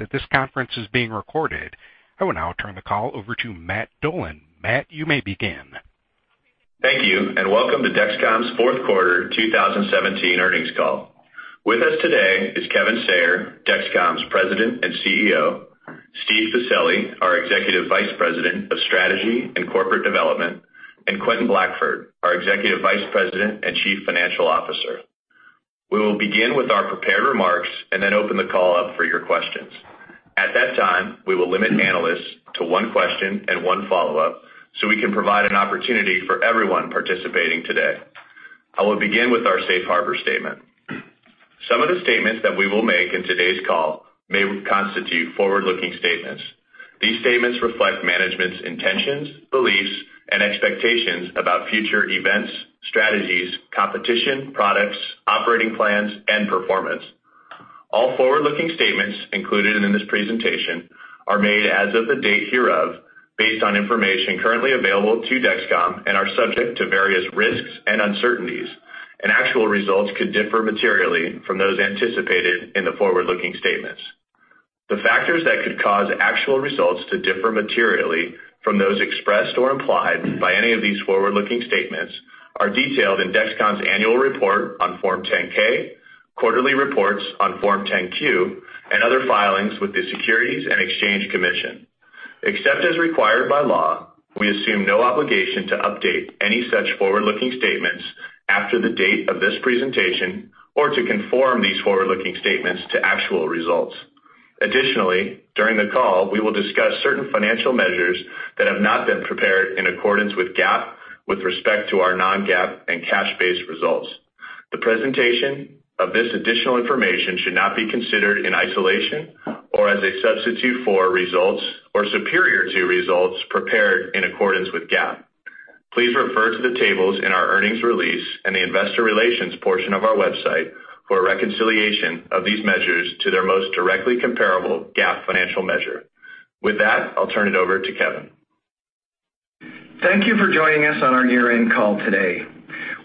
Note that this conference is being recorded. I will now turn the call over to Matt Dolan. Matt, you may begin. Thank you, and welcome to Dexcom's fourth quarter 2017 earnings call. With us today is Kevin Sayer, Dexcom's President and CEO, Steven Pacelli, our Executive Vice President of Strategy and Corporate Development, and Quentin Blackford, our Executive Vice President and Chief Financial Officer. We will begin with our prepared remarks and then open the call up for your questions. At that time, we will limit analysts to one question and one follow-up so we can provide an opportunity for everyone participating today. I will begin with our safe harbor statement. Some of the statements that we will make in today's call may constitute forward-looking statements. These statements reflect management's intentions, beliefs, and expectations about future events, strategies, competition, products, operating plans, and performance. All forward-looking statements included in this presentation are made as of the date hereof based on information currently available to Dexcom and are subject to various risks and uncertainties, and actual results could differ materially from those anticipated in the forward-looking statements. The factors that could cause actual results to differ materially from those expressed or implied by any of these forward-looking statements are detailed in Dexcom's annual report on Form 10-K, quarterly reports on Form 10-Q, and other filings with the Securities and Exchange Commission. Except as required by law, we assume no obligation to update any such forward-looking statements after the date of this presentation or to conform these forward-looking statements to actual results. Additionally, during the call, we will discuss certain financial measures that have not been prepared in accordance with GAAP with respect to our non-GAAP and cash-based results. The presentation of this additional information should not be considered in isolation or as a substitute for results or superior to results prepared in accordance with GAAP. Please refer to the tables in our earnings release in the investor relations portion of our website for a reconciliation of these measures to their most directly comparable GAAP financial measure. With that, I'll turn it over to Kevin. Thank you for joining us on our year-end call today.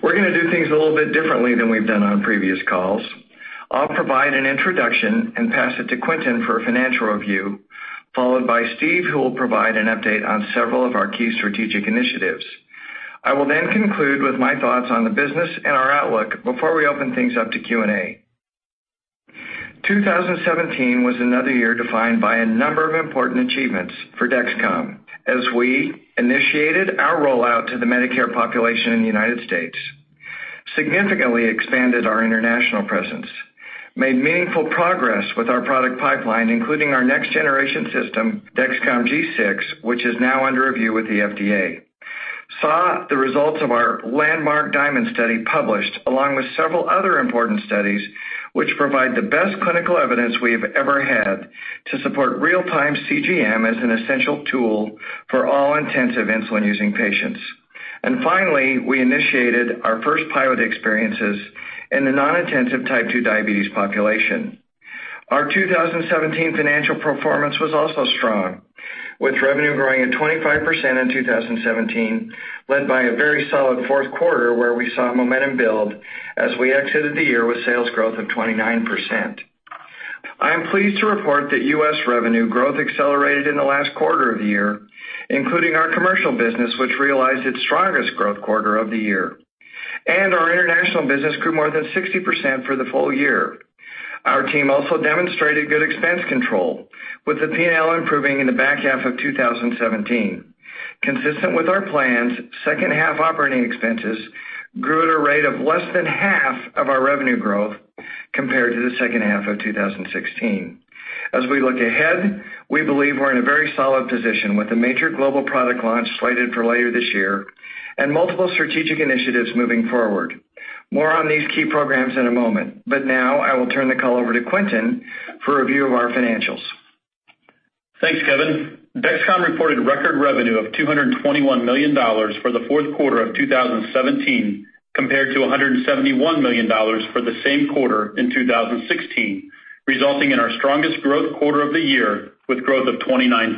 We're gonna do things a little bit differently than we've done on previous calls. I'll provide an introduction and pass it to Quentin for a financial review, followed by Steve, who will provide an update on several of our key strategic initiatives. I will then conclude with my thoughts on the business and our outlook before we open things up to Q&A. 2017 was another year defined by a number of important achievements for Dexcom as we initiated our rollout to the Medicare population in the United States, significantly expanded our international presence, made meaningful progress with our product pipeline, including our next-generation system, Dexcom G6, which is now under review with the FDA, saw the results of our landmark DIAMOND study published, along with several other important studies, which provide the best clinical evidence we have ever had to support real-time CGM as an essential tool for all intensive insulin-using patients. Finally, we initiated our first pilot experiences in the non-intensive Type 2 diabetes population. Our 2017 financial performance was also strong, with revenue growing at 25% in 2017, led by a very solid fourth quarter where we saw momentum build as we exited the year with sales growth of 29%. I am pleased to report that U.S. revenue growth accelerated in the last quarter of the year, including our commercial business, which realized its strongest growth quarter of the year, and our international business grew more than 60% for the full year. Our team also demonstrated good expense control, with the P&L improving in the back half of 2017. Consistent with our plans, second half operating expenses grew at a rate of less than half of our revenue growth compared to the second half of 2016. As we look ahead, we believe we're in a very solid position with a major global product launch slated for later this year and multiple strategic initiatives moving forward. More on these key programs in a moment, but now I will turn the call over to Quentin for a review of our financials. Thanks, Kevin. Dexcom reported record revenue of $221 million for the fourth quarter of 2017, compared to $171 million for the same quarter in 2016, resulting in our strongest growth quarter of the year, with growth of 29%.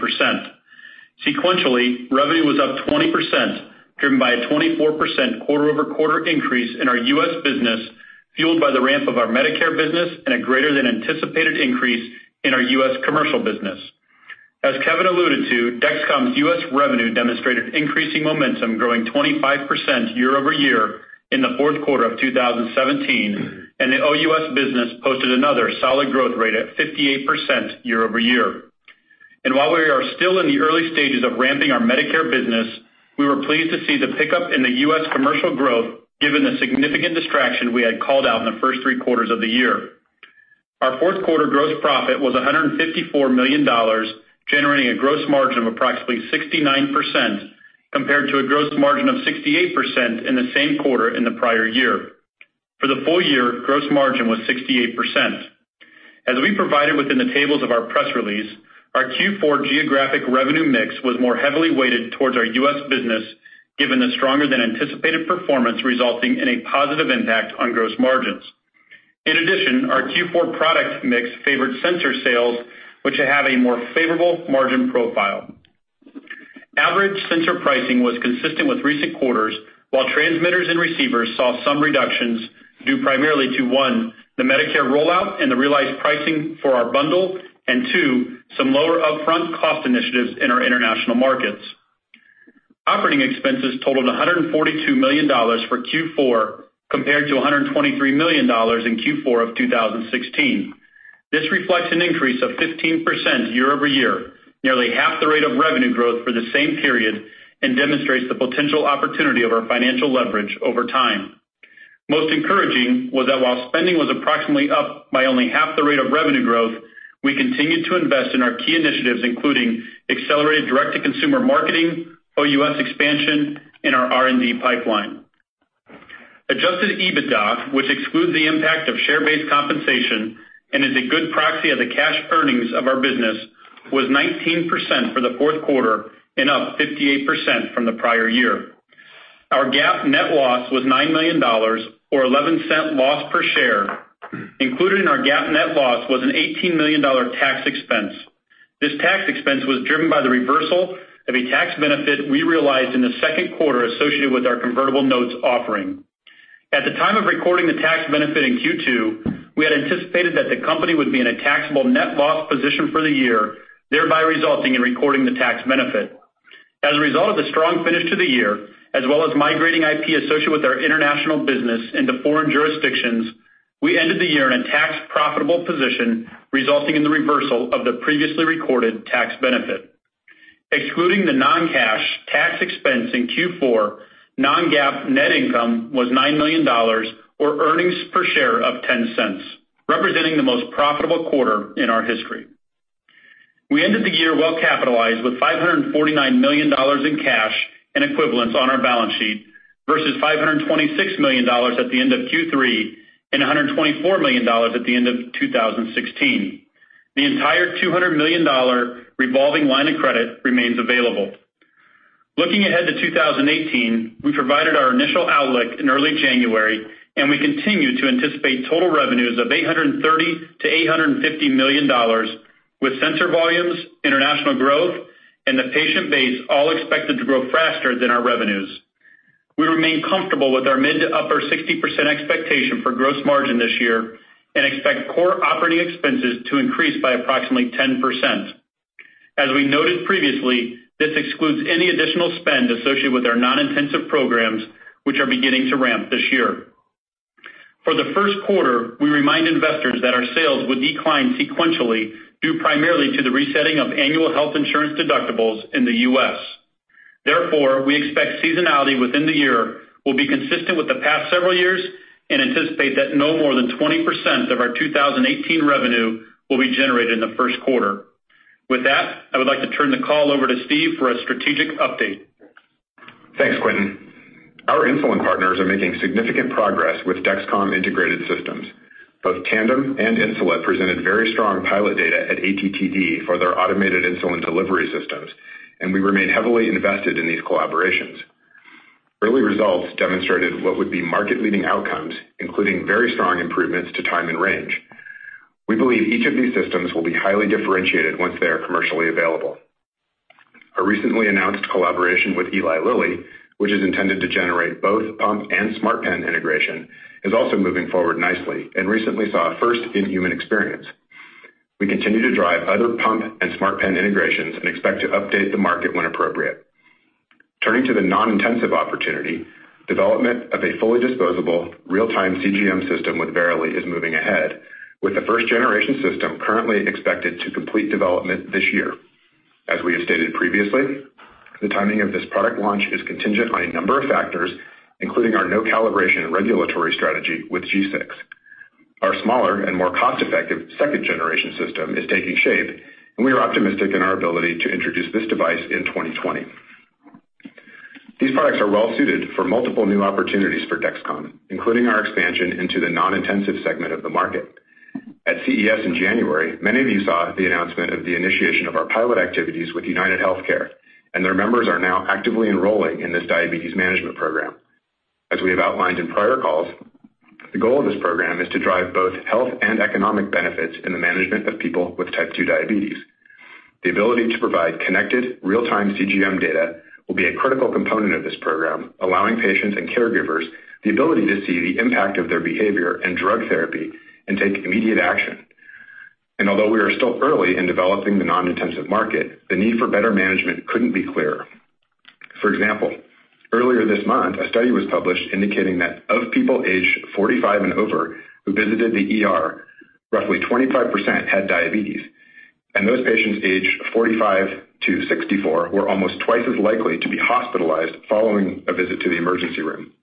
Sequentially, revenue was up 20%, driven by a 24% quarter-over-quarter increase in our U.S. business, fueled by the ramp of our Medicare business and a greater than anticipated increase in our U.S. commercial business. As Kevin alluded to, Dexcom's U.S. revenue demonstrated increasing momentum, growing 25% year-over-year in the fourth quarter of 2017, and the OUS business posted another solid growth rate at 58% year-over-year. While we are still in the early stages of ramping our Medicare business, we were pleased to see the pickup in the U.S. commercial growth given the significant distraction we had called out in the first three quarters of the year. Our fourth quarter gross profit was $154 million, generating a gross margin of approximately 69% compared to a gross margin of 68% in the same quarter in the prior year. For the full year, gross margin was 68%. As we provided within the tables of our press release, our Q4 geographic revenue mix was more heavily weighted towards our U.S. business, given the stronger than anticipated performance resulting in a positive impact on gross margins. In addition, our Q4 product mix favored sensor sales, which have a more favorable margin profile. Average sensor pricing was consistent with recent quarters, while transmitters and receivers saw some reductions due primarily to, one, the Medicare rollout and the realized pricing for our bundle, and two, some lower upfront cost initiatives in our international markets. Operating expenses totaled $142 million for Q4 compared to $123 million in Q4 of 2016. This reflects an increase of 15% year-over-year, nearly half the rate of revenue growth for the same period, and demonstrates the potential opportunity of our financial leverage over time. Most encouraging was that while spending was approximately up by only half the rate of revenue growth, we continued to invest in our key initiatives, including accelerated direct-to-consumer marketing, OUS expansion, and our R&D pipeline. Adjusted EBITDA, which excludes the impact of share-based compensation and is a good proxy of the cash earnings of our business, was 19% for the fourth quarter and up 58% from the prior year. Our GAAP net loss was $9 million or $0.11 loss per share. Included in our GAAP net loss was an $18 million tax expense. This tax expense was driven by the reversal of a tax benefit we realized in the second quarter associated with our convertible notes offering. At the time of recording the tax benefit in Q2, we had anticipated that the company would be in a taxable net loss position for the year, thereby resulting in recording the tax benefit. As a result of the strong finish to the year, as well as migrating IP associated with our international business into foreign jurisdictions, we ended the year in a tax profitable position, resulting in the reversal of the previously recorded tax benefit. Excluding the non-cash tax expense in Q4, non-GAAP net income was $9 million or earnings per share of $0.10, representing the most profitable quarter in our history. We ended the year well-capitalized with $549 million in cash and equivalents on our balance sheet versus $526 million at the end of Q3 and $124 million at the end of 2016. The entire $200 million revolving line of credit remains available. Looking ahead to 2018, we provided our initial outlook in early January, and we continue to anticipate total revenues of $830 million-$850 million with sensor volumes, international growth, and the patient base all expected to grow faster than our revenues. We remain comfortable with our mid- to upper-60% expectation for gross margin this year and expect core operating expenses to increase by approximately 10%. As we noted previously, this excludes any additional spend associated with our non-intensive programs, which are beginning to ramp this year. For the first quarter, we remind investors that our sales would decline sequentially due primarily to the resetting of annual health insurance deductibles in the U.S. Therefore, we expect seasonality within the year will be consistent with the past several years and anticipate that no more than 20% of our 2018 revenue will be generated in the first quarter. With that, I would like to turn the call over to Steve for a strategic update. Thanks, Quentin. Our insulin partners are making significant progress with Dexcom integrated systems. Both Tandem and Insulet presented very strong pilot data at ATTD for their automated insulin delivery systems, and we remain heavily invested in these collaborations. Early results demonstrated what would be market-leading outcomes, including very strong improvements to time in range. We believe each of these systems will be highly differentiated once they are commercially available. Our recently announced collaboration with Eli Lilly, which is intended to generate both pump and smart pen integration, is also moving forward nicely and recently saw a first in human experience. We continue to drive other pump and smart pen integrations and expect to update the market when appropriate. Turning to the non-intensive opportunity, development of a fully disposable real-time CGM system with Verily is moving ahead, with the first-generation system currently expected to complete development this year. As we have stated previously, the timing of this product launch is contingent on a number of factors, including our no calibration regulatory strategy with G6. Our smaller and more cost-effective second-generation system is taking shape, and we are optimistic in our ability to introduce this device in 2020. These products are well suited for multiple new opportunities for Dexcom, including our expansion into the non-intensive segment of the market. At CES in January, many of you saw the announcement of the initiation of our pilot activities with UnitedHealthcare, and their members are now actively enrolling in this diabetes management program. As we have outlined in prior calls, the goal of this program is to drive both health and economic benefits in the management of people with Type 2 diabetes. The ability to provide connected real-time CGM data will be a critical component of this program, allowing patients and caregivers the ability to see the impact of their behavior and drug therapy and take immediate action. Although we are still early in developing the non-intensive market, the need for better management couldn't be clearer. For example, earlier this month, a study was published indicating that of people aged 45 and over who visited the ER, roughly 25% had diabetes, and those patients aged 45-64 were almost twice as likely to be hospitalized following a visit to the emergency room.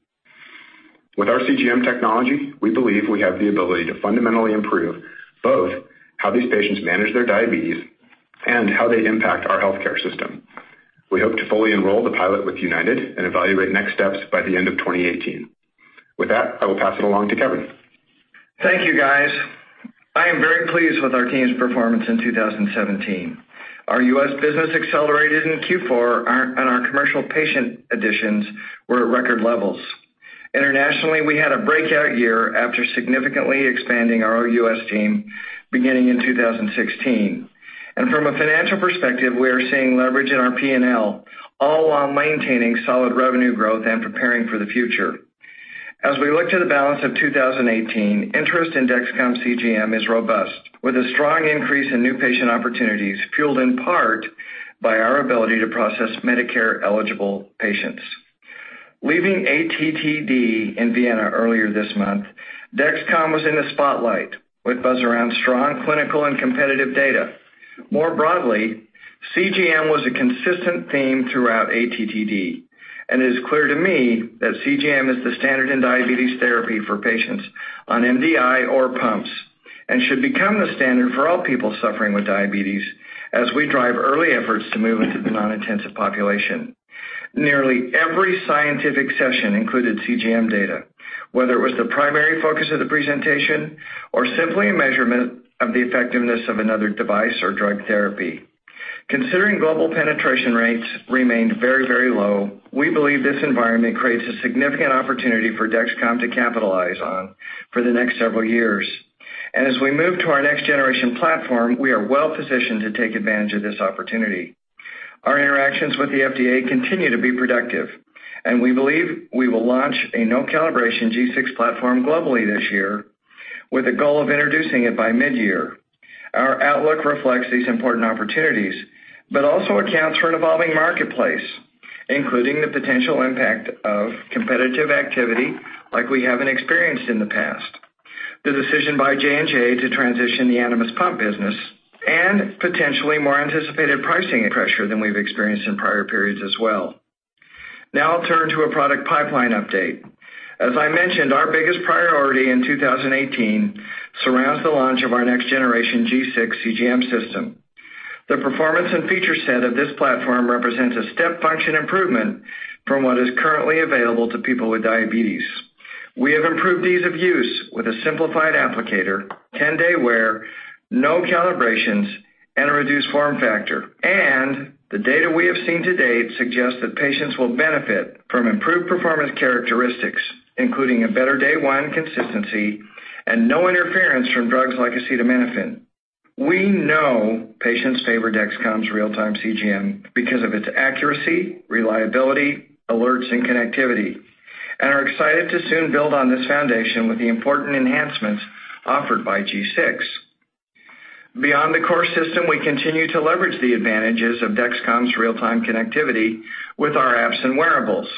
With our CGM technology, we believe we have the ability to fundamentally improve both how these patients manage their diabetes and how they impact our healthcare system. We hope to fully enroll the pilot with United and evaluate next steps by the end of 2018. With that, I will pass it along to Kevin. Thank you, guys. I am very pleased with our team's performance in 2017. Our U.S. business accelerated in Q4, and our commercial patient additions were at record levels. Internationally, we had a breakout year after significantly expanding our U.S. team beginning in 2016. From a financial perspective, we are seeing leverage in our P&L, all while maintaining solid revenue growth and preparing for the future. As we look to the balance of 2018, interest in Dexcom CGM is robust, with a strong increase in new patient opportunities, fueled in part by our ability to process Medicare-eligible patients. Leaving ATTD in Vienna earlier this month, Dexcom was in the spotlight with buzz around strong clinical and competitive data. More broadly, CGM was a consistent theme throughout ATTD, and it is clear to me that CGM is the standard in diabetes therapy for patients on MDI or pumps, and should become the standard for all people suffering with diabetes as we drive early efforts to move into the non-intensive population. Nearly every scientific session included CGM data, whether it was the primary focus of the presentation or simply a measurement of the effectiveness of another device or drug therapy. Considering global penetration rates remained very, very low, we believe this environment creates a significant opportunity for Dexcom to capitalize on for the next several years. As we move to our next generation platform, we are well-positioned to take advantage of this opportunity. Our interactions with the FDA continue to be productive, and we believe we will launch a no-calibration G6 platform globally this year with a goal of introducing it by mid-year. Our outlook reflects these important opportunities, but also accounts for an evolving marketplace, including the potential impact of competitive activity like we haven't experienced in the past, the decision by J&J to transition the Animas pump business, and potentially more anticipated pricing pressure than we've experienced in prior periods as well. Now I'll turn to a product pipeline update. As I mentioned, our biggest priority in 2018 surrounds the launch of our next-generation G6 CGM system. The performance and feature set of this platform represents a step function improvement from what is currently available to people with diabetes. We have improved ease of use with a simplified applicator, 10-day wear, no calibrations, and a reduced form factor. The data we have seen to date suggests that patients will benefit from improved performance characteristics, including a better day one consistency and no interference from drugs like acetaminophen. We know patients favor Dexcom's real-time CGM because of its accuracy, reliability, alerts, and connectivity, and are excited to soon build on this foundation with the important enhancements offered by G6. Beyond the core system, we continue to leverage the advantages of Dexcom's real-time connectivity with our apps and wearables.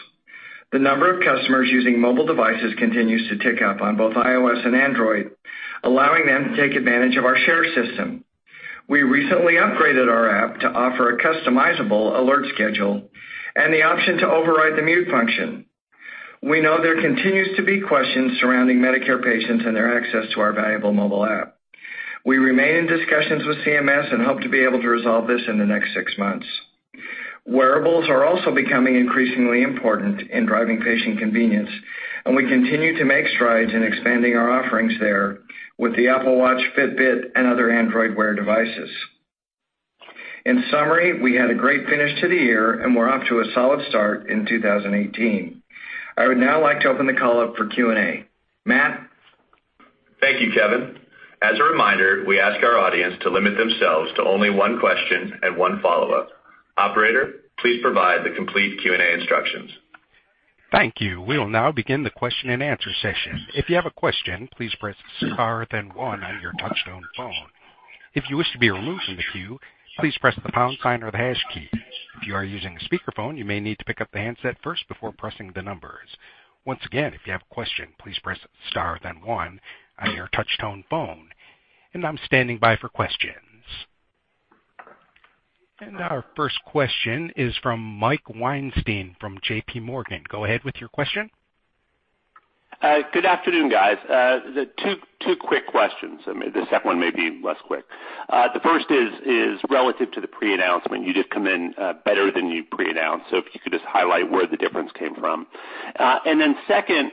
The number of customers using mobile devices continues to tick up on both iOS and Android, allowing them to take advantage of our share system. We recently upgraded our app to offer a customizable alert schedule and the option to override the mute function. We know there continues to be questions surrounding Medicare patients and their access to our valuable mobile app. We remain in discussions with CMS and hope to be able to resolve this in the next six months. Wearables are also becoming increasingly important in driving patient convenience, and we continue to make strides in expanding our offerings there with the Apple Watch, Fitbit, and other Android Wear devices. In summary, we had a great finish to the year and we're off to a solid start in 2018. I would now like to open the call up for Q&A. Matt? Thank you, Kevin. As a reminder, we ask our audience to limit themselves to only one question and one follow-up. Operator, please provide the complete Q&A instructions. Thank you. We will now begin the question-and-answer session. If you have a question, please press star then one on your touchtone phone. If you wish to be removed from the queue, please press the pound sign or the hash key. If you are using a speakerphone, you may need to pick up the handset first before pressing the numbers. Once again, if you have a question, please press star then one on your touchtone phone. I'm standing by for questions. Our first question is from Mike Weinstein from J.P. Morgan. Go ahead with your question. Good afternoon, guys. The two quick questions. I mean, the second one may be less quick. The first is relative to the pre-announcement. You did come in better than you pre-announced. So if you could just highlight where the difference came from. And then second,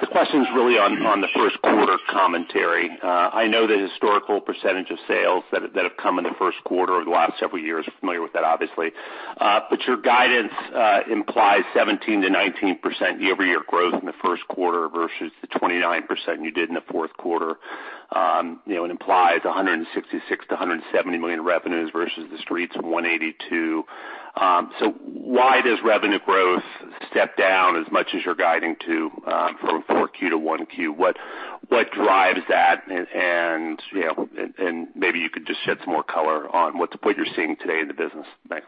the question is really on the first quarter commentary. I know the historical percentage of sales that have come in the first quarter over the last several years. Familiar with that, obviously. But your guidance implies 17%-19% year-over-year growth in the first quarter versus the 29% you did in the fourth quarter. You know, it implies $166 million-$170 million revenues versus the street's $182 million. Why does revenue growth step down as much as you're guiding to from 4Q to 1Q? What drives that? You know, maybe you could just shed some more color on what's the print you're seeing today in the business. Thanks.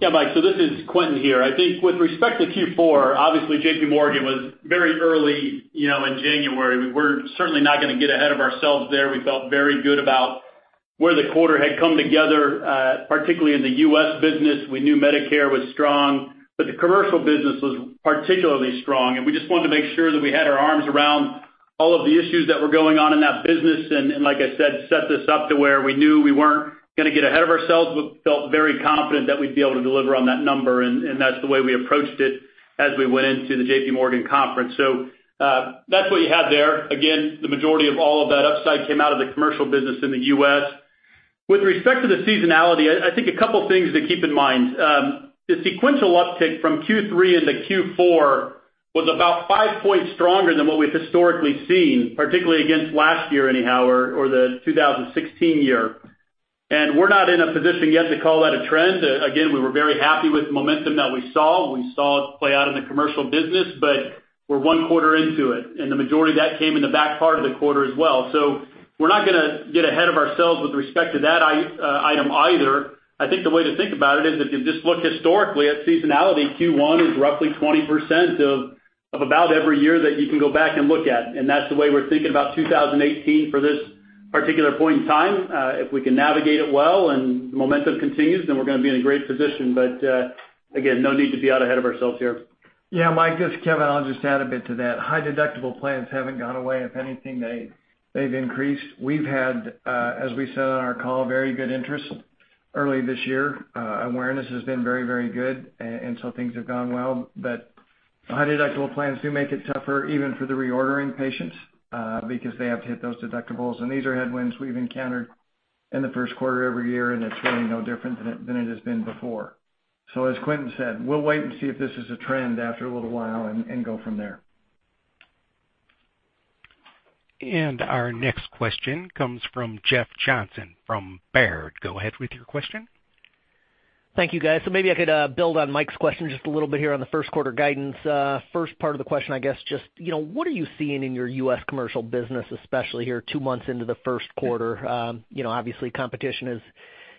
Yeah, Mike, this is Quentin here. I think with respect to Q4, obviously J.P. Morgan was very early, you know, in January. We're certainly not gonna get ahead of ourselves there. We felt very good about where the quarter had come together, particularly in the U.S. business. We knew Medicare was strong, but the commercial business was particularly strong. We just wanted to make sure that we had our arms around all of the issues that were going on in that business, and like I said, set this up to where we knew we weren't gonna get ahead of ourselves, but felt very confident that we'd be able to deliver on that number, and that's the way we approached it as we went into the J.P. Morgan conference. That's what you have there. Again, the majority of all of that upside came out of the commercial business in the U.S. With respect to the seasonality, I think a couple things to keep in mind. The sequential uptick from Q3 into Q4 was about 5 points stronger than what we've historically seen, particularly against last year anyhow, the 2016 year. We're not in a position yet to call that a trend. We were very happy with the momentum that we saw. We saw it play out in the commercial business, but we're one quarter into it, and the majority of that came in the back part of the quarter as well. We're not gonna get ahead of ourselves with respect to that item either. I think the way to think about it is if you just look historically at seasonality, Q1 is roughly 20% of about every year that you can go back and look at. That's the way we're thinking about 2018 for this particular point in time. If we can navigate it well and momentum continues, then we're gonna be in a great position. Again, no need to be out ahead of ourselves here. Yeah, Mike, this is Kevin. I'll just add a bit to that. High-deductible plans haven't gone away. If anything, they've increased. We've had, as we said on our call, very good interest early this year. Awareness has been very, very good, and so things have gone well. But high-deductible plans do make it tougher even for the reordering patients, because they have to hit those deductibles. These are headwinds we've encountered in the first quarter every year, and it's really no different than it has been before. As Quentin said, we'll wait and see if this is a trend after a little while and go from there. Our next question comes from Jeff Johnson from Baird. Go ahead with your question. Thank you, guys. Maybe I could build on Mike's question just a little bit here on the first quarter guidance. First part of the question, I guess just, you know, what are you seeing in your U.S. commercial business, especially here two months into the first quarter? You know, obviously, competition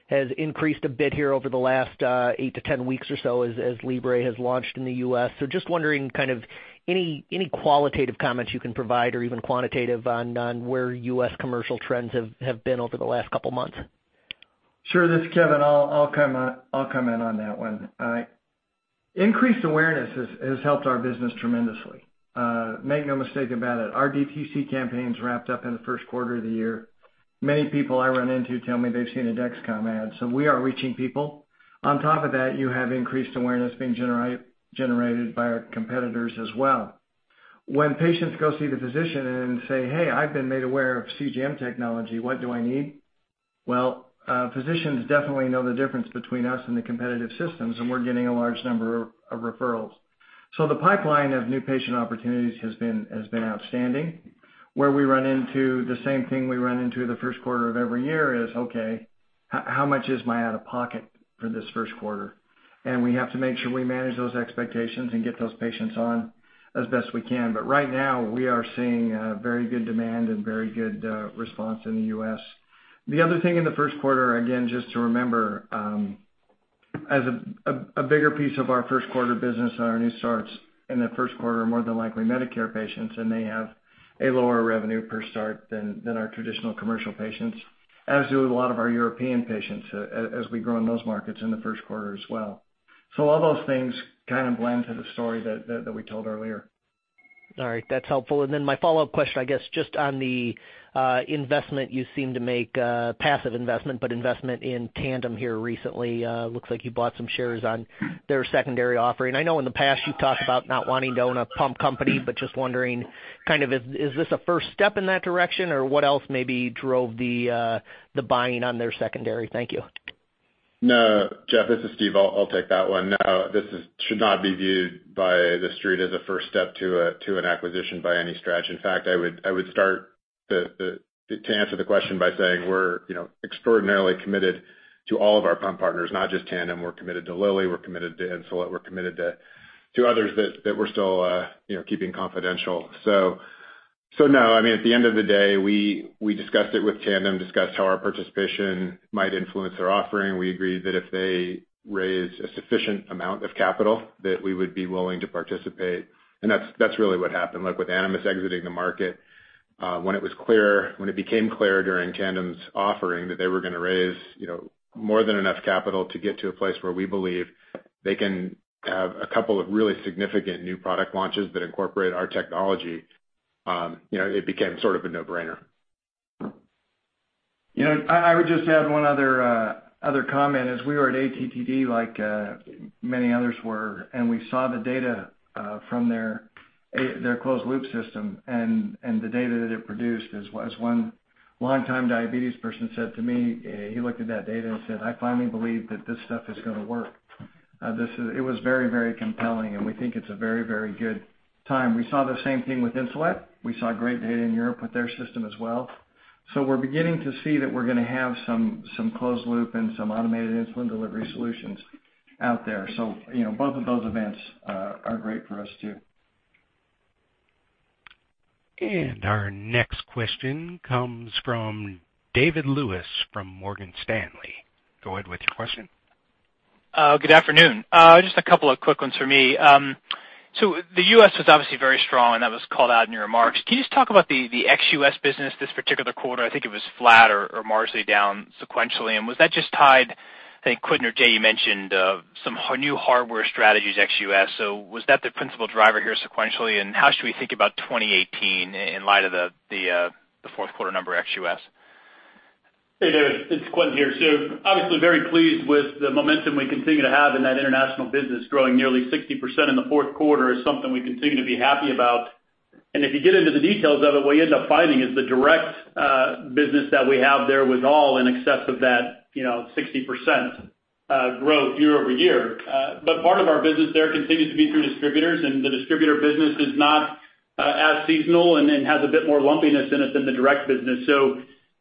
has increased a bit here over the last 8 weeks-10 weeks or so as Libre has launched in the U.S. Just wondering kind of any qualitative comments you can provide or even quantitative on where U.S. commercial trends have been over the last couple months. Sure. This is Kevin. I'll comment on that one. Increased awareness has helped our business tremendously. Make no mistake about it, our DTC campaigns wrapped up in the first quarter of the year. Many people I run into tell me they've seen a Dexcom ad, so we are reaching people. On top of that, you have increased awareness being generated by our competitors as well. When patients go see the physician and say, "Hey, I've been made aware of CGM technology, what do I need?" Well, physicians definitely know the difference between us and the competitive systems, and we're getting a large number of referrals. The pipeline of new patient opportunities has been outstanding. Where we run into the same thing we run into the first quarter of every year is, "Okay, how much is my out-of-pocket for this first quarter?" We have to make sure we manage those expectations and get those patients on as best we can. Right now, we are seeing very good demand and very good response in the U.S. The other thing in the first quarter, again, just to remember, as a bigger piece of our first quarter business are our new starts in the first quarter are more than likely Medicare patients, and they have a lower revenue per start than our traditional commercial patients, as do a lot of our European patients as we grow in those markets in the first quarter as well. All those things kind of blend to the story that we told earlier. All right. That's helpful. Then my follow-up question, I guess, just on the investment you seem to make, passive investment, but investment in Tandem here recently. Looks like you bought some shares on their secondary offering. I know in the past you've talked about not wanting to own a pump company, but just wondering kind of is this a first step in that direction, or what else maybe drove the buying on their secondary? Thank you. No, Jeff, this is Steve. I'll take that one. No, this should not be viewed by the street as a first step to an acquisition by any stretch. In fact, I would start to answer the question by saying we're, you know, extraordinarily committed to all of our pump partners, not just Tandem. We're committed to Lilly. We're committed to Insulet. We're committed to others that we're still, you know, keeping confidential. So no, I mean, at the end of the day, we discussed it with Tandem, discussed how our participation might influence their offering. We agreed that if they raised a sufficient amount of capital, that we would be willing to participate. That's really what happened. Look, with Animas exiting the market, when it became clear during Tandem's offering that they were gonna raise, you know, more than enough capital to get to a place where we believe they can have a couple of really significant new product launches that incorporate our technology, you know, it became sort of a no-brainer. You know, I would just add one other comment, as we were at ATTD, like, many others were, and we saw the data from their closed loop system and the data that it produced, as one longtime diabetes person said to me, he looked at that data and said, "I finally believe that this stuff is gonna work." It was very, very compelling, and we think it's a very, very good time. We saw the same thing with Insulet. We saw great data in Europe with their system as well. We're beginning to see that we're gonna have some closed loop and some automated insulin delivery solutions out there. You know, both of those events are great for us too. Our next question comes from David Lewis from Morgan Stanley. Go ahead with your question. Good afternoon. Just a couple of quick ones for me. The U.S. was obviously very strong, and that was called out in your remarks. Can you just talk about the ex-U.S. business this particular quarter? I think it was flat or marginally down sequentially. Was that just tied, I think Quentin or Jay, you mentioned some new hardware strategies ex-U.S. Was that the principal driver here sequentially? How should we think about 2018 in light of the fourth quarter number ex-U.S.? Hey, David, it's Quentin here. Obviously very pleased with the momentum we continue to have in that international business. Growing nearly 60% in the fourth quarter is something we continue to be happy about. If you get into the details of it, what you end up finding is the direct business that we have there was all in excess of that, you know, 60% growth year-over-year. Part of our business there continues to be through distributors, and the distributor business is not as seasonal and has a bit more lumpiness in it than the direct business.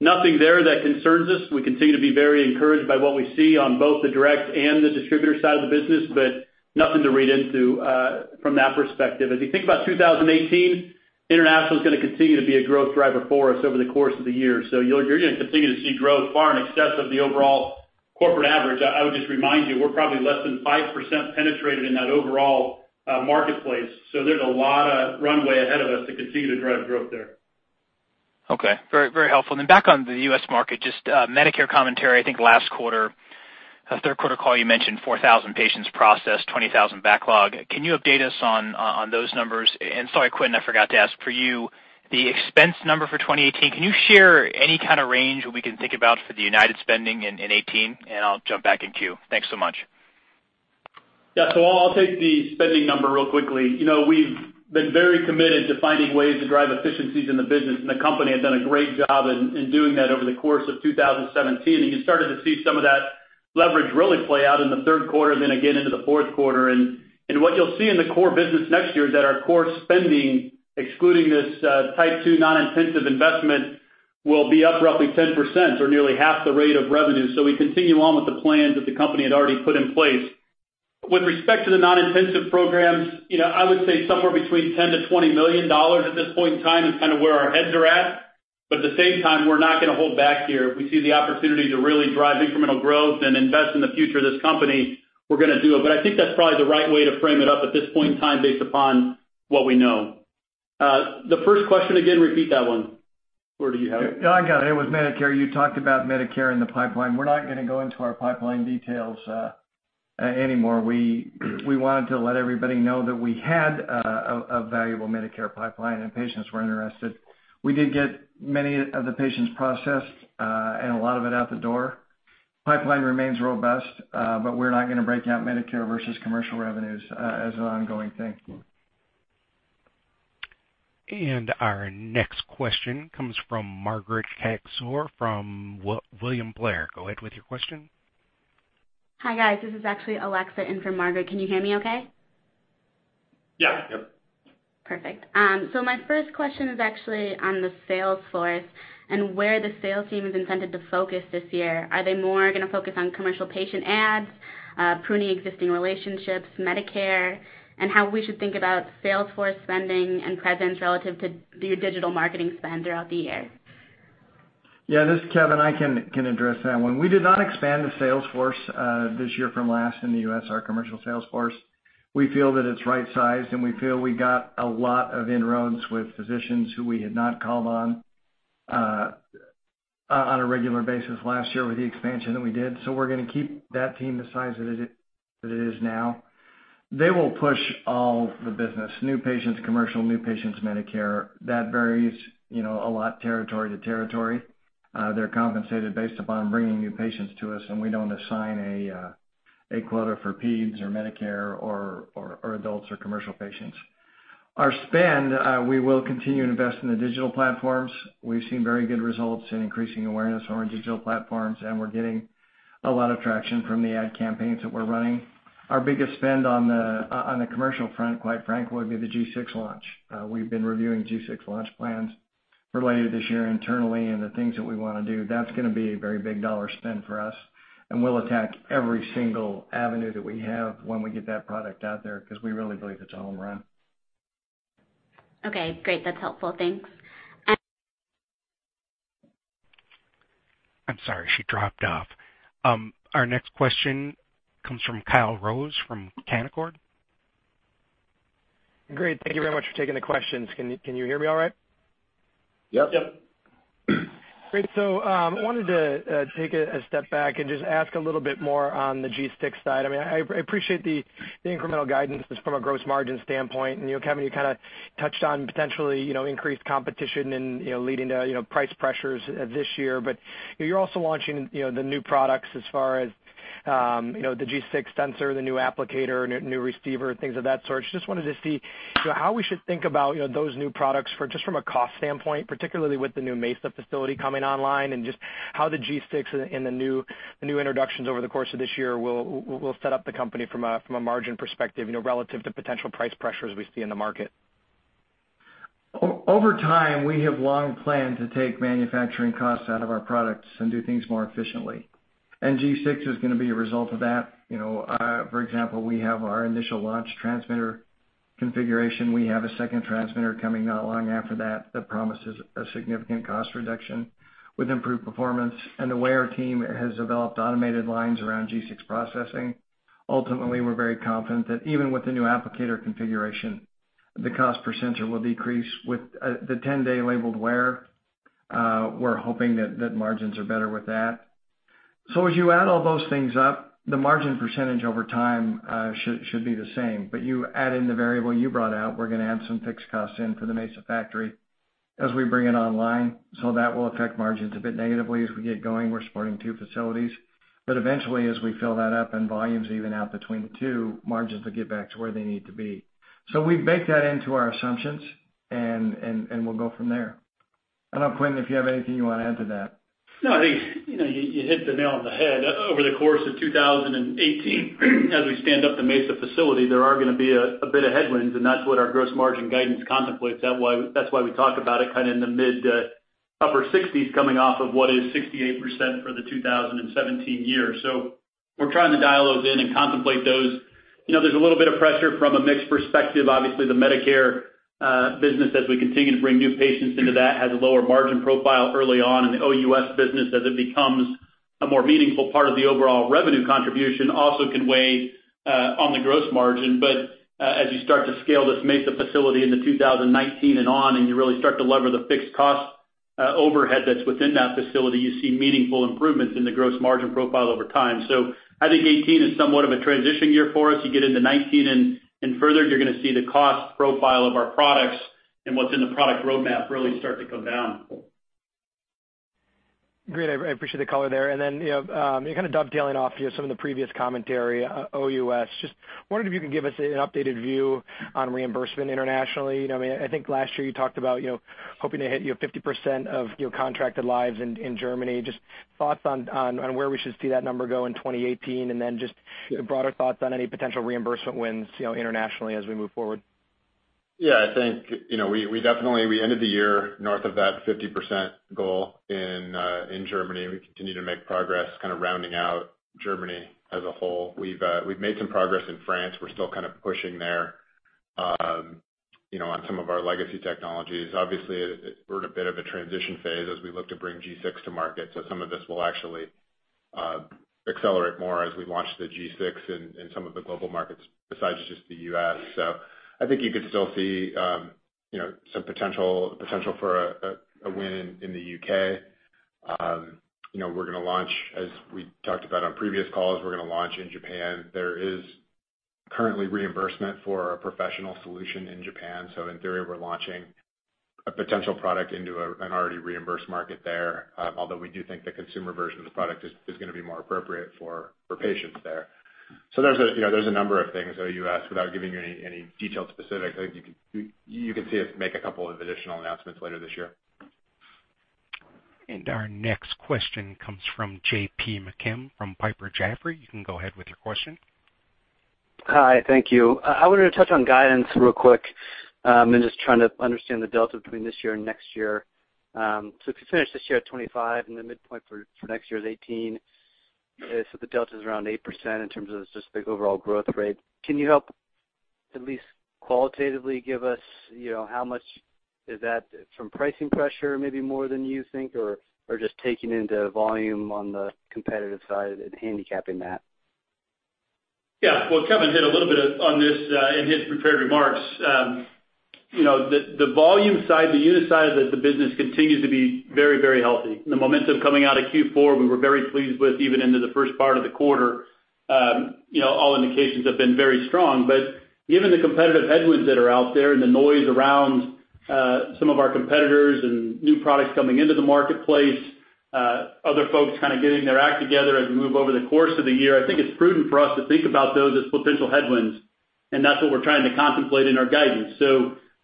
Nothing there that concerns us. We continue to be very encouraged by what we see on both the direct and the distributor side of the business, but nothing to read into from that perspective. As you think about 2018, international is gonna continue to be a growth driver for us over the course of the year. You're gonna continue to see growth far in excess of the overall corporate average. I would just remind you, we're probably less than 5% penetrated in that overall marketplace. There's a lot of runway ahead of us to continue to drive growth there. Okay. Very, very helpful. Back on the U.S. market, just Medicare commentary. I think last quarter, third quarter call, you mentioned 4,000 patients processed, 20,000 backlog. Can you update us on those numbers? Sorry, Quentin, I forgot to ask for you the expense number for 2018. Can you share any kind of range what we can think about for the R&D spending in 2018? I'll jump back in queue. Thanks so much. Yeah. I'll take the spending number real quickly. You know, we've been very committed to finding ways to drive efficiencies in the business, and the company has done a great job in doing that over the course of 2017. You started to see some of that leverage really play out in the third quarter, then again into the fourth quarter. What you'll see in the core business next year is that our core spending, excluding this, Type 2 non-intensive investment, will be up roughly 10% or nearly half the rate of revenue. We continue on with the plans that the company had already put in place. With respect to the non-intensive programs, you know, I would say somewhere between $10 million-$20 million at this point in time is kind of where our heads are at. At the same time, we're not gonna hold back here. If we see the opportunity to really drive incremental growth and invest in the future of this company, we're gonna do it. I think that's probably the right way to frame it up at this point in time based upon what we know. The first question again, repeat that one. Or do you have it? No, I got it. It was Medicare. You talked about Medicare in the pipeline. We're not gonna go into our pipeline details anymore. We wanted to let everybody know that we had a valuable Medicare pipeline and patients were interested. We did get many of the patients processed and a lot of it out the door. Pipeline remains robust, but we're not gonna break out Medicare versus commercial revenues as an ongoing thing. Our next question comes from Margaret Kaczor from William Blair. Go ahead with your question. Hi, guys. This is actually Alexa in for Margaret. Can you hear me okay? Yeah. Yep. Perfect. My first question is actually on the sales force and where the sales team is intended to focus this year. Are they more gonna focus on commercial patient adds, pruning existing relationships, Medicare, and how we should think about sales force spending and presence relative to your digital marketing spend throughout the year? Yeah. This is Kevin. I can address that one. We did not expand the sales force this year from last in the U.S., our commercial sales force. We feel that it's right-sized, and we feel we got a lot of inroads with physicians who we had not called on a regular basis last year with the expansion that we did. We're gonna keep that team the size that it is now. They will push all the business, new patients commercial, new patients Medicare. That varies, you know, a lot territory to territory. They're compensated based upon bringing new patients to us, and we don't assign a quota for peds or Medicare or adults or commercial patients. Our spend, we will continue to invest in the digital platforms. We've seen very good results in increasing awareness on our digital platforms, and we're getting a lot of traction from the ad campaigns that we're running. Our biggest spend on the commercial front, quite frankly, would be the G6 launch. We've been reviewing G6 launch plans related to this year internally and the things that we wanna do. That's gonna be a very big dollar spend for us, and we'll attack every single avenue that we have when we get that product out there because we really believe it's a home run. Okay, great. That's helpful. Thanks. I'm sorry, she dropped off. Our next question comes from Kyle Rose from Canaccord Genuity. Great. Thank you very much for taking the questions. Can you hear me all right? Yep. Yep. Great. I wanted to take a step back and just ask a little bit more on the G6 side. I mean, I appreciate the incremental guidance just from a gross margin standpoint. You know, Kevin, you kinda touched on potentially increased competition and leading to price pressures this year. You know, you're also launching the new products as far as the G6 sensor, the new applicator, new receiver, things of that sort. Just wanted to see, you know, how we should think about, you know, those new products from just a cost standpoint, particularly with the new Mesa facility coming online, and just how the G6 and the new introductions over the course of this year will set up the company from a margin perspective, you know, relative to potential price pressures we see in the market. Over time, we have long planned to take manufacturing costs out of our products and do things more efficiently. G6 is gonna be a result of that. You know, for example, we have our initial launch transmitter configuration. We have a second transmitter coming not long after that promises a significant cost reduction with improved performance and the way our team has developed automated lines around G6 processing. Ultimately, we're very confident that even with the new applicator configuration, the cost per sensor will decrease with the ten-day labeled wear. We're hoping that margins are better with that. As you add all those things up, the margin percentage over time should be the same. You add in the variable you brought out, we're gonna add some fixed costs in for the Mesa factory as we bring it online, so that will affect margins a bit negatively as we get going. We're supporting two facilities. Eventually, as we fill that up and volumes even out between the two, margins will get back to where they need to be. We've baked that into our assumptions and we'll go from there. I don't know, Quentin, if you have anything you wanna add to that. No, I think, you know, you hit the nail on the head. Over the course of 2018, as we stand up the Mesa facility, there are gonna be a bit of headwinds, and that's what our gross margin guidance contemplates. That's why we talk about it kinda in the mid upper sixties coming off of what is 68% for the 2017 year. We're trying to dial those in and contemplate those. You know, there's a little bit of pressure from a mix perspective. Obviously, the Medicare business, as we continue to bring new patients into that, has a lower margin profile early on in the OUS business as it becomes a more meaningful part of the overall revenue contribution also can weigh on the gross margin. As you start to scale this Mesa facility into 2019 and on, and you really start to leverage the fixed cost overhead that's within that facility, you see meaningful improvements in the gross margin profile over time. I think 2018 is somewhat of a transition year for us. You get into 2019 and further, you're gonna see the cost profile of our products and what's in the product roadmap really start to come down. Great. I appreciate the color there. Then, you know, yeah, kinda dovetailing off, you know, some of the previous commentary, OUS. Just wondering if you could give us an updated view on reimbursement internationally. You know what I mean? I think last year you talked about, you know, hoping to hit, you know, 50% of your contracted lives in Germany. Just thoughts on where we should see that number go in 2018, and then just broader thoughts on any potential reimbursement wins, you know, internationally as we move forward. Yeah, I think, you know, we definitely ended the year north of that 50% goal in Germany. We continue to make progress kinda rounding out Germany as a whole. We've made some progress in France. We're still kind of pushing there, you know, on some of our legacy technologies. Obviously, we're in a bit of a transition phase as we look to bring G6 to market, so some of this will actually accelerate more as we launch the G6 in some of the global markets besides just the U.S. I think you could still see, you know, some potential for a win in the U.K. You know, we're gonna launch, as we talked about on previous calls, we're gonna launch in Japan. There is currently reimbursement for our professional solution in Japan. In theory, we're launching a potential product into an already reimbursed market there, although we do think the consumer version of the product is gonna be more appropriate for patients there. There's a number of things at OUS without giving you any detailed specifics. I think you can see us make a couple of additional announcements later this year. Our next question comes from J.P. McKim from Piper Jaffray. You can go ahead with your question. Hi, thank you. I wanted to touch on guidance real quick, and just trying to understand the delta between this year and next year. If you finish this year at 25% and the midpoint for next year is 18%, the delta's around 8% in terms of just the overall growth rate. Can you help at least qualitatively give us, you know, how much is that from pricing pressure maybe more than you think or just taking into volume on the competitive side and handicapping that? Yeah. Well, Kevin hit a little bit on this in his prepared remarks. You know, the volume side, the unit side of the business continues to be very, very healthy. The momentum coming out of Q4, we were very pleased with even into the first part of the quarter. You know, all indications have been very strong. Given the competitive headwinds that are out there and the noise around some of our competitors and new products coming into the marketplace, other folks kinda getting their act together as we move over the course of the year, I think it's prudent for us to think about those as potential headwinds, and that's what we're trying to contemplate in our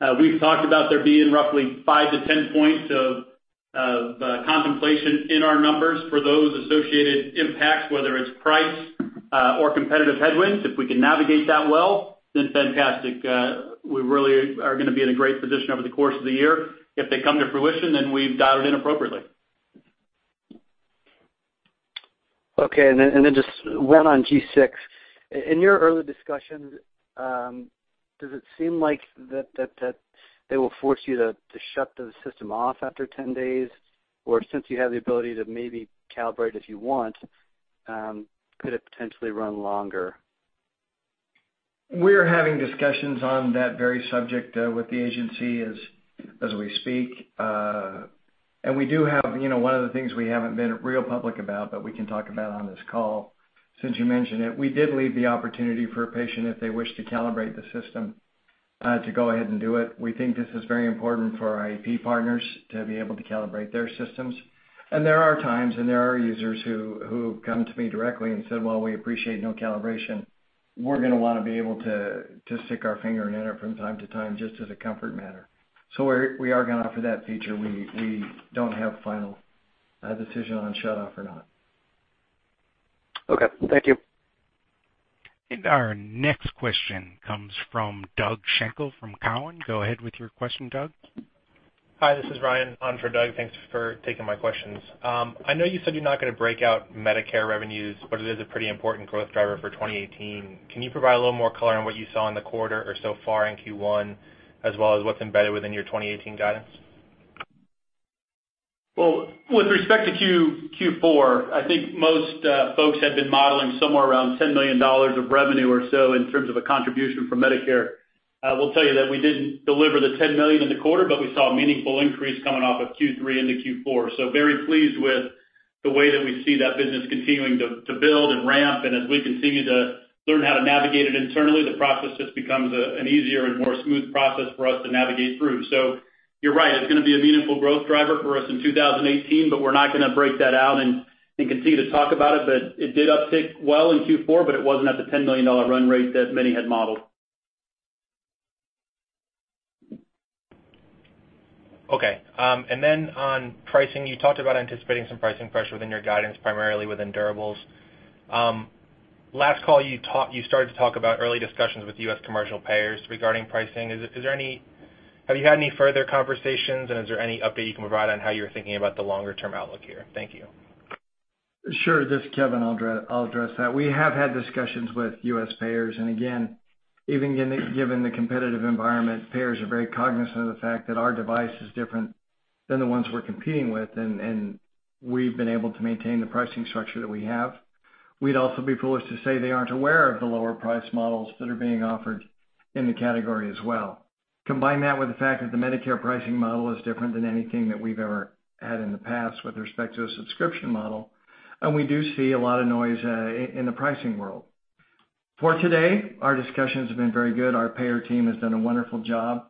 guidance. We've talked about there being roughly 5%-10% points of contemplation in our numbers for those associated impacts, whether it's price or competitive headwinds. If we can navigate that well, then fantastic. We really are gonna be in a great position over the course of the year. If they come to fruition, then we've dialed in appropriately. Okay. Just one on G6. In your early discussions, does it seem like that they will force you to shut the system off after 10 days? Or since you have the ability to maybe calibrate if you want, could it potentially run longer? We're having discussions on that very subject with the agency as we speak. We do have, you know, one of the things we haven't been real public about, but we can talk about on this call, since you mentioned it. We did leave the opportunity for a patient, if they wish to calibrate the system, to go ahead and do it. We think this is very important for our AID partners to be able to calibrate their systems. There are times, and there are users who have come to me directly and said, "Well, we appreciate no calibration. We're gonna wanna be able to stick our finger in it from time to time just as a comfort matter." We're going to offer that feature. We don't have final decision on shutoff or not. Okay. Thank you. Our next question comes from Doug Schenkel from Cowen. Go ahead with your question, Doug. Hi, this is Ryan on for Doug. Thanks for taking my questions. I know you said you're not gonna break out Medicare revenues, but it is a pretty important growth driver for 2018. Can you provide a little more color on what you saw in the quarter or so far in Q1, as well as what's embedded within your 2018 guidance? Well, with respect to Q4, I think most folks had been modeling somewhere around $10 million of revenue or so in terms of a contribution from Medicare. We'll tell you that we didn't deliver the $10 million in the quarter, but we saw a meaningful increase coming off of Q3 into Q4. Very pleased with the way that we see that business continuing to build and ramp, and as we continue to learn how to navigate it internally, the process just becomes an easier and more smooth process for us to navigate through. You're right, it's gonna be a meaningful growth driver for us in 2018, but we're not gonna break that out and continue to talk about it. It did uptick well in Q4, but it wasn't at the $10 million run rate that many had modeled. Okay. On pricing, you talked about anticipating some pricing pressure within your guidance, primarily within durables. Last call, you started to talk about early discussions with U.S. commercial payers regarding pricing. Have you had any further conversations, and is there any update you can provide on how you're thinking about the longer term outlook here? Thank you. Sure. This is Kevin. I'll address that. We have had discussions with U.S. payers. Again, even given the competitive environment, payers are very cognizant of the fact that our device is different than the ones we're competing with, and we've been able to maintain the pricing structure that we have. We'd also be foolish to say they aren't aware of the lower price models that are being offered in the category as well. Combine that with the fact that the Medicare pricing model is different than anything that we've ever had in the past with respect to a subscription model, and we do see a lot of noise in the pricing world. For today, our discussions have been very good. Our payer team has done a wonderful job,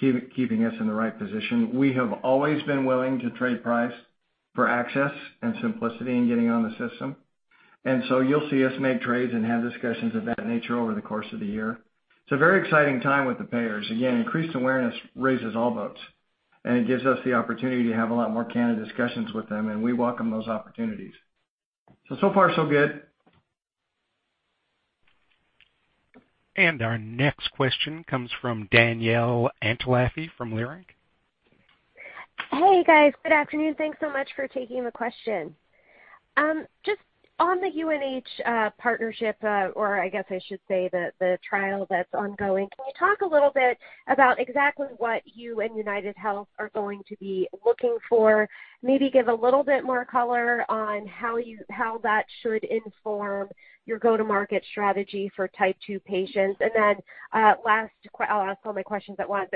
keeping us in the right position. We have always been willing to trade price for access and simplicity in getting on the system. You'll see us make trades and have discussions of that nature over the course of the year. It's a very exciting time with the payers. Again, increased awareness raises all boats, and it gives us the opportunity to have a lot more candid discussions with them, and we welcome those opportunities. So far so good. Our next question comes from Danielle Antalffy from Leerink. Hey, guys. Good afternoon. Thanks so much for taking the question. Just on the UNH partnership, or I guess I should say the trial that's ongoing, can you talk a little bit about exactly what you and UnitedHealth are going to be looking for? Maybe give a little bit more color on how that should inform your go-to-market strategy for Type 2 patients. I'll ask all my questions at once.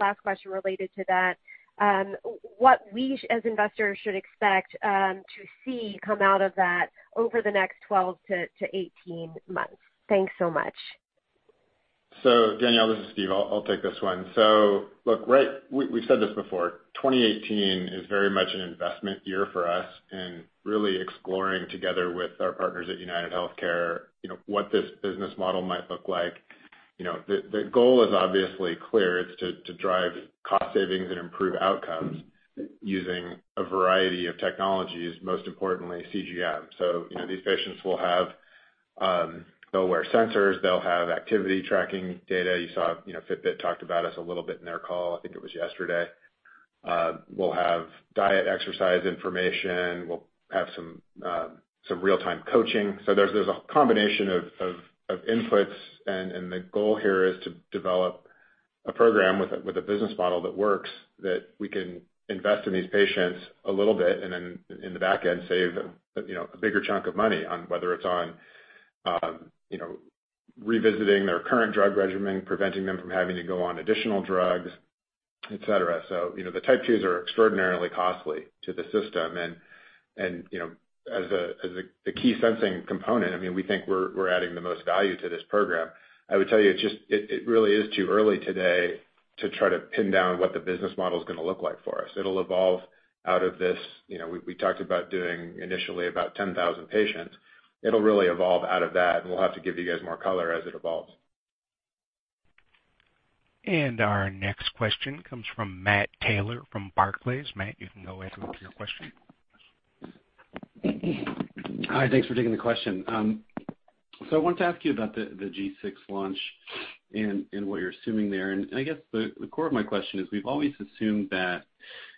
Last question related to that, what we as investors should expect to see come out of that over the next 12 months-18 months. Thanks so much. Danielle, this is Steve. I'll take this one. Look, right, we've said this before, 2018 is very much an investment year for us and really exploring together with our partners at UnitedHealthcare, you know, what this business model might look like. You know, the goal is obviously clear. It's to drive cost savings and improve outcomes using a variety of technologies, most importantly CGM. You know, these patients will have. They'll wear sensors, they'll have activity tracking data. You saw, you know, Fitbit talked about us a little bit in their call. I think it was yesterday. We'll have diet and exercise information. We'll have some real-time coaching. There's a combination of inputs, and the goal here is to develop a program with a business model that works, that we can invest in these patients a little bit, and then in the back end, save, you know, a bigger chunk of money on whether it's on, you know, revisiting their current drug regimen, preventing them from having to go on additional drugs, et cetera. You know, the Type 2s are extraordinarily costly to the system. You know, as a the key sensing component, I mean, we think we're adding the most value to this program. I would tell you, it just. It really is too early today to try to pin down what the business model is gonna look like for us. It'll evolve out of this. You know, we talked about doing initially about 10,000 patients. It'll really evolve out of that, and we'll have to give you guys more color as it evolves. Our next question comes from Matt Taylor from Barclays. Matt, you can go ahead with your question. Hi, thanks for taking the question. I wanted to ask you about the G6 launch and what you're assuming there. I guess the core of my question is, we've always assumed that,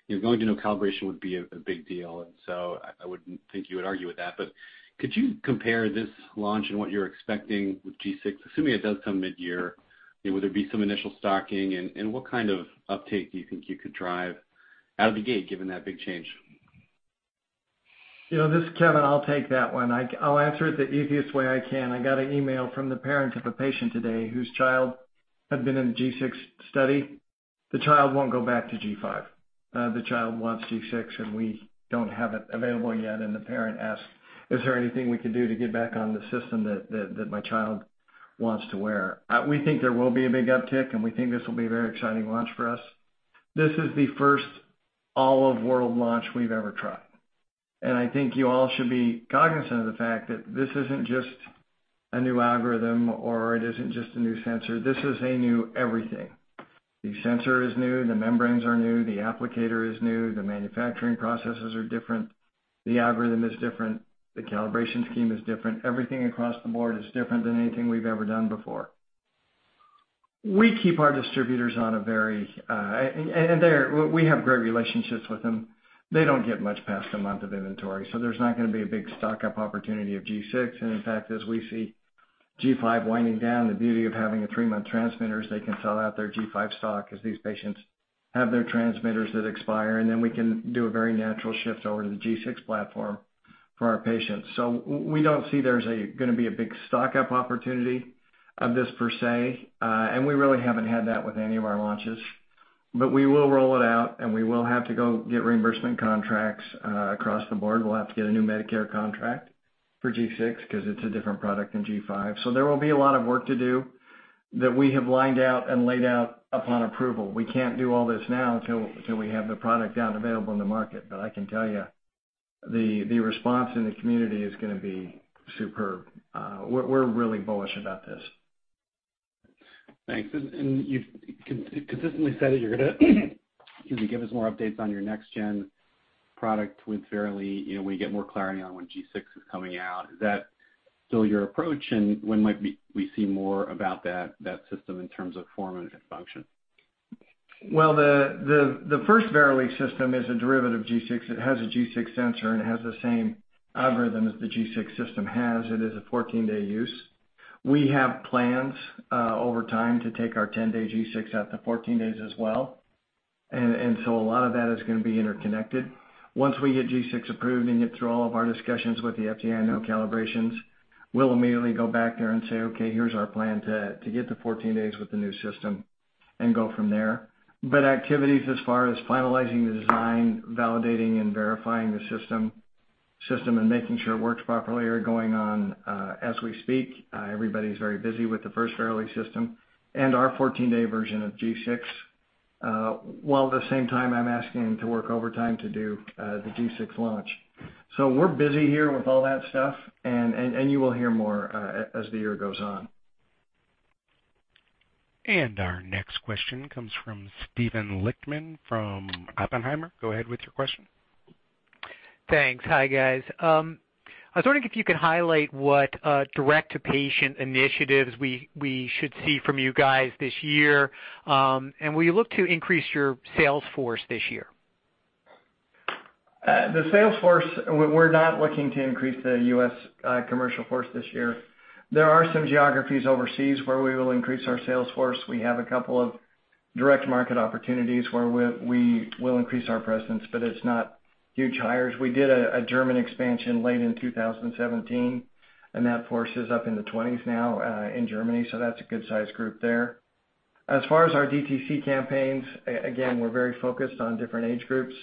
you know, going to no calibration would be a big deal, and I wouldn't think you would argue with that. Could you compare this launch and what you're expecting with G6, assuming it does come mid-year? Would there be some initial stocking, and what kind of uptake do you think you could drive out of the gate given that big change? You know, this is Kevin. I'll take that one. I'll answer it the easiest way I can. I got an email from the parent of a patient today whose child had been in the G6 study. The child won't go back to G5. The child wants G6, and we don't have it available yet, and the parent asks, "Is there anything we can do to get back on the system that my child wants to wear?" We think there will be a big uptick, and we think this will be a very exciting launch for us. This is the first all-world launch we've ever tried, and I think you all should be cognizant of the fact that this isn't just a new algorithm or it isn't just a new sensor, this is a new everything. The sensor is new, the membranes are new, the applicator is new, the manufacturing processes are different, the algorithm is different, the calibration scheme is different. Everything across the board is different than anything we've ever done before. We keep our distributors on a very. We have great relationships with them. They don't get much past a month of inventory, so there's not gonna be a big stock-up opportunity of G6. In fact, as we see G5 winding down, the beauty of having a three-month transmitter is they can sell out their G5 stock as these patients have their transmitters that expire, and then we can do a very natural shift over to the G6 platform. For our patients. We don't see there's gonna be a big stock-up opportunity of this per se, and we really haven't had that with any of our launches. We will roll it out, and we will have to go get reimbursement contracts across the board. We'll have to get a new Medicare contract for G6 'cause it's a different product than G5. There will be a lot of work to do that we have lined out and laid out upon approval. We can't do all this now until we have the product out and available in the market. I can tell you the response in the community is gonna be superb. We're really bullish about this. Thanks. You've consistently said that you're gonna give us more updates on your next gen product with Verily, you know, when we get more clarity on when G6 is coming out. Is that still your approach, and when might we see more about that system in terms of form and function? The first Verily system is a derivative G6. It has a G6 sensor, and it has the same algorithm as the G6 system has. It is a 14-day use. We have plans over time to take our 10-day G6 out to 14 days as well. A lot of that is gonna be interconnected. Once we get G6 approved and get through all of our discussions with the FDA on no calibrations, we'll immediately go back there and say, "Okay, here's our plan to get to 14 days with the new system," and go from there. Activities as far as finalizing the design, validating and verifying the system and making sure it works properly are going on as we speak. Everybody's very busy with the first Verily system and our 14-day version of G6. While at the same time, I'm asking to work overtime to do the G6 launch. We're busy here with all that stuff, and you will hear more as the year goes on. Our next question comes from Steven Lichtman from Oppenheimer. Go ahead with your question. Thanks. Hi, guys. I was wondering if you could highlight what direct-to-patient initiatives we should see from you guys this year. Will you look to increase your sales force this year? The sales force, we're not looking to increase the U.S., commercial force this year. There are some geographies overseas where we will increase our sales force. We have a couple of direct market opportunities where we will increase our presence, but it's not huge hires. We did a German expansion late in 2017, and that force is up in the 20s now, in Germany, so that's a good-sized group there. As far as our DTC campaigns, again, we're very focused on different age groups.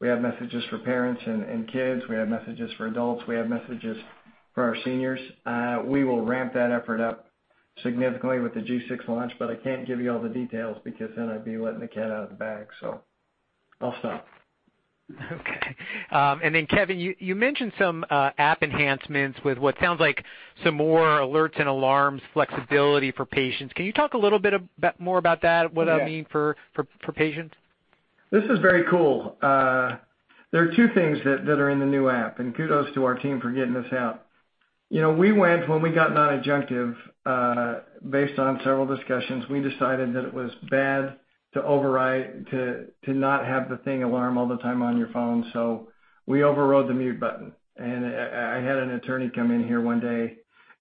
We have messages for parents and kids. We have messages for adults. We have messages for our seniors. We will ramp that effort up significantly with the G6 launch, but I can't give you all the details because then I'd be letting the cat out of the bag. I'll stop. Okay. Kevin, you mentioned some app enhancements with what sounds like some more alerts and alarms flexibility for patients. Can you talk a little bit more about that, what that'll mean for patients? This is very cool. There are two things that are in the new app, and kudos to our team for getting this out. You know, when we got non-adjunctive, based on several discussions, we decided that it was bad to override to not have the thing alarm all the time on your phone, so we overrode the mute button. I had an attorney come in here one day,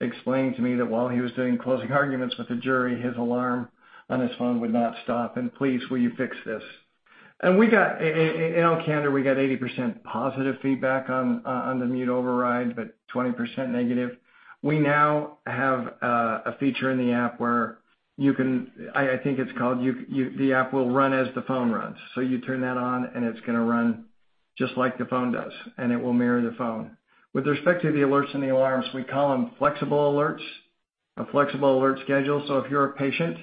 explain to me that while he was doing closing arguments with the jury, his alarm on his phone would not stop, and please, will you fix this? We got in all candor 80% positive feedback on the mute override, but 20% negative. We now have a feature in the app where the app will run as the phone runs. You turn that on, and it's gonna run just like the phone does, and it will mirror the phone. With respect to the alerts and the alarms, we call them flexible alerts, a flexible alert schedule. If you're a patient,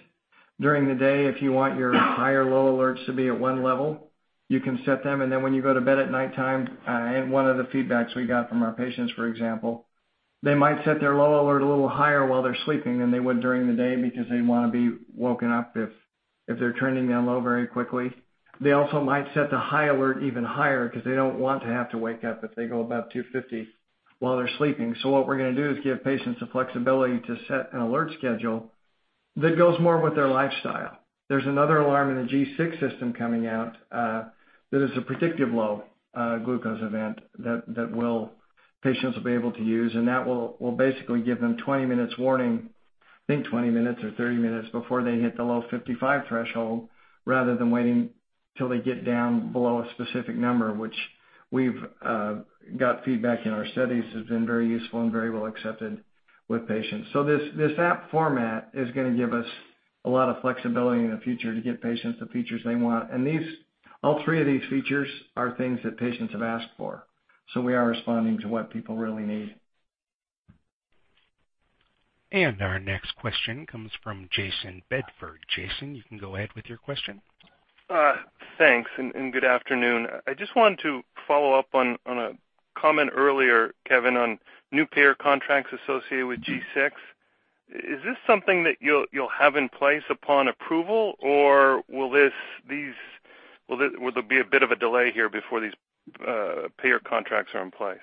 during the day, if you want your high or low alerts to be at one level, you can set them, and then when you go to bed at nighttime, one of the feedbacks we got from our patients, for example, they might set their low alert a little higher while they're sleeping than they would during the day because they wanna be woken up if they're trending down low very quickly. They also might set the high alert even higher 'cause they don't want to have to wake up if they go above 250 while they're sleeping. What we're gonna do is give patients the flexibility to set an alert schedule that goes more with their lifestyle. There's another alarm in the G6 system coming out that is a predictive low glucose event that patients will be able to use, and that will basically give them 20 minutes warning, I think 20 minutes or 30 minutes before they hit the low 55 threshold rather than waiting till they get down below a specific number, which we've got feedback in our studies has been very useful and very well accepted with patients. This app format is gonna give us a lot of flexibility in the future to give patients the features they want. These, all three of these features are things that patients have asked for. We are responding to what people really need. Our next question comes from Jayson Bedford. Jayson, you can go ahead with your question. Thanks, and good afternoon. I just wanted to follow up on a comment earlier, Kevin, on new payer contracts associated with G6. Is this something that you'll have in place upon approval, or will there be a bit of a delay here before these payer contracts are in place?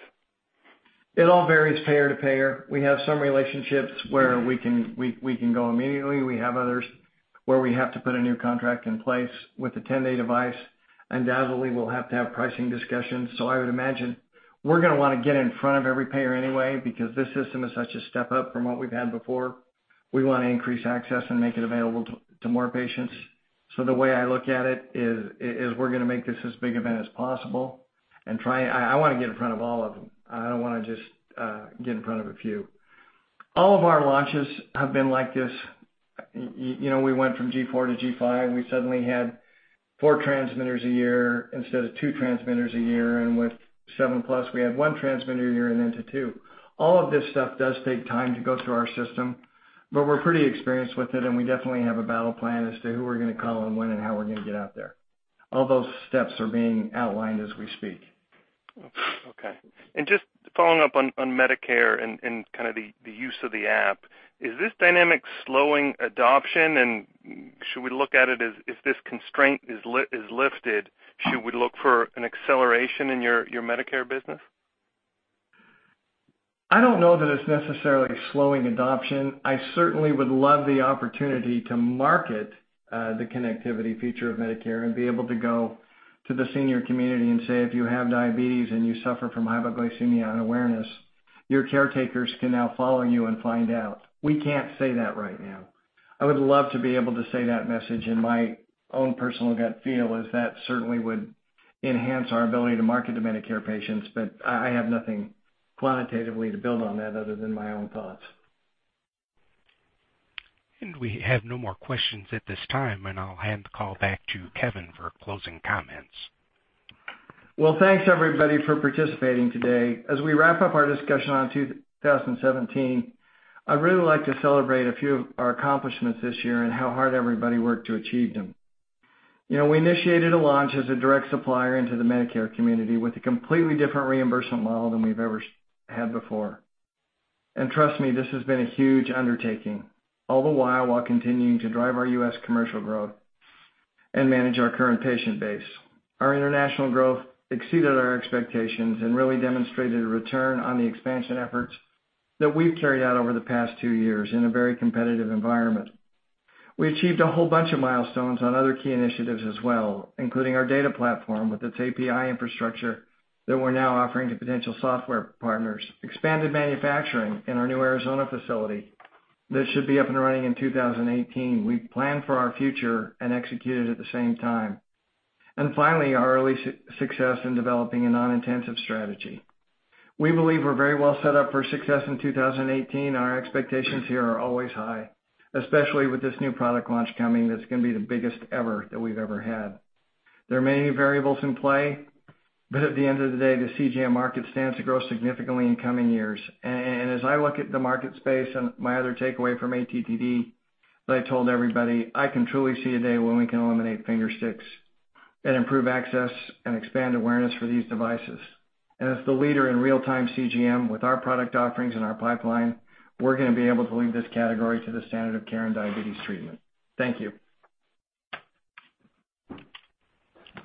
It all varies payer to payer. We have some relationships where we can go immediately. We have others where we have to put a new contract in place with a 10-day device. Undoubtedly, we'll have to have pricing discussions. I would imagine we're gonna wanna get in front of every payer anyway because this system is such a step up from what we've had before. We wanna increase access and make it available to more patients. The way I look at it is we're gonna make this as big event as possible and try. I wanna get in front of all of them. I don't wanna just get in front of a few. All of our launches have been like this. You know, we went from G4-G5, we suddenly had four transmitters a year instead of two transmitters a year. With seven plus, we had one transmitter a year and then to two. All of this stuff does take time to go through our system, but we're pretty experienced with it, and we definitely have a battle plan as to who we're gonna call and when and how we're gonna get out there. All those steps are being outlined as we speak. Okay. Just following up on Medicare and kinda the use of the app. Is this dynamic slowing adoption? Should we look at it as if this constraint is lifted, should we look for an acceleration in your Medicare business? I don't know that it's necessarily slowing adoption. I certainly would love the opportunity to market the connectivity feature of Medicare and be able to go to the senior community and say, "If you have diabetes and you suffer from hypoglycemia unawareness, your caretakers can now follow you and find out." We can't say that right now. I would love to be able to say that message, and my own personal gut feel is that certainly would enhance our ability to market to Medicare patients, but I have nothing quantitatively to build on that other than my own thoughts. We have no more questions at this time, and I'll hand the call back to Kevin for closing comments. Well, thanks, everybody, for participating today. As we wrap up our discussion on 2017, I'd really like to celebrate a few of our accomplishments this year and how hard everybody worked to achieve them. You know, we initiated a launch as a direct supplier into the Medicare community with a completely different reimbursement model than we've ever had before. Trust me, this has been a huge undertaking, all the while continuing to drive our U.S. commercial growth and manage our current patient base. Our international growth exceeded our expectations and really demonstrated a return on the expansion efforts that we've carried out over the past two years in a very competitive environment. We achieved a whole bunch of milestones on other key initiatives as well, including our data platform with its API infrastructure that we're now offering to potential software partners. Expanded manufacturing in our new Arizona facility that should be up and running in 2018. We plan for our future and execute it at the same time. Finally, our early success in developing a non-intensive strategy. We believe we're very well set up for success in 2018. Our expectations here are always high, especially with this new product launch coming that's gonna be the biggest ever that we've ever had. There are many variables in play, but at the end of the day, the CGM market stands to grow significantly in coming years. As I look at the market space and my other takeaway from ATTD, that I told everybody, I can truly see a day when we can eliminate finger sticks and improve access and expand awareness for these devices. As the leader in real-time CGM with our product offerings and our pipeline, we're gonna be able to lead this category to the standard of care in diabetes treatment. Thank you.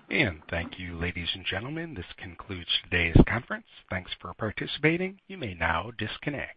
Thank you, ladies and gentlemen. This concludes today's conference. Thanks for participating. You may now disconnect.